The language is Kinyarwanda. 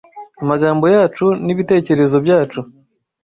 amagambo yacu n’ibitekerezo byacu